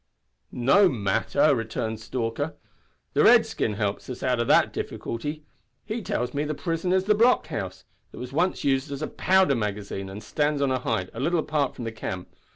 "No matter," returned Stalker. "The redskin helps us out o' that difficulty. He tells me the prison is a blockhouse, that was once used as a powder magazine, and stands on a height, a little apart from the camp.